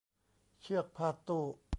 เชือกพาดตู้